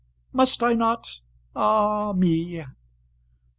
"Must I not? ah me!"